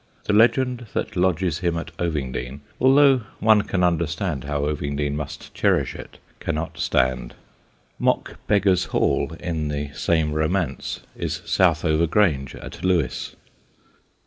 The legend that lodges him at Ovingdean, although one can understand how Ovingdean must cherish it, cannot stand. (Mock Beggars' Hall, in the same romance, is Southover Grange at Lewes.)